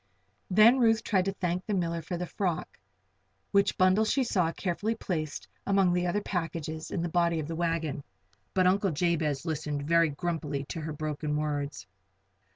Then Ruth tried to thank the miller for the frock which bundle she saw carefully placed among the other packages in the body of the wagon but Uncle Jabez listened very grumpily to her broken words.